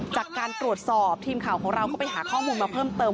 จากการตรวจสอบทีมข่าวของเราก็ไปหาข้อมูลมาเพิ่มเติม